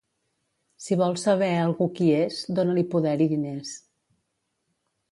Si vols saber algú qui és, dona-li poder i diners.